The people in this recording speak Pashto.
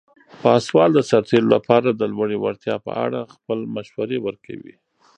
پاسوال د سرتیرو لپاره د لوړې وړتیا په اړه خپل مشورې ورکوي.